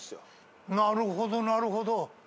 なるほどなるほど。